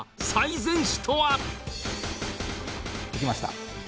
できました。